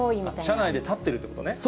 車内で立ってるということね。